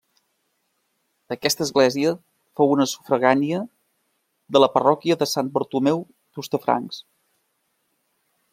Aquesta església fou una sufragània de la parròquia de Sant Bartomeu d'Hostafrancs.